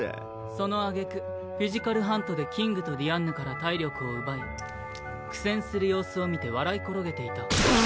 その挙句「身体狩り」でキングとディアンヌから体力を奪い苦戦する様子を見て笑い転げていた。